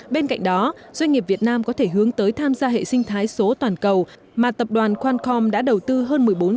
bên cạnh đó doanh nghiệp việt nam có thể hướng tới tham gia hệ sinh thái số toàn cầu mà tập đoàn qualcom đã đầu tư hơn một mươi bốn tỷ đồng